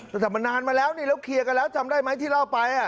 แต่มันนานมาแล้วนี่แล้วเคลียร์กันแล้วจำได้ไหมที่เล่าไป